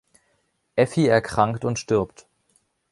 Effi erkrankt und stirbt.